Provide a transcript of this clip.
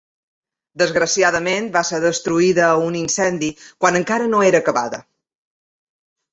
Desgraciadament, va ser destruïda a un incendi quan encara no era acabada.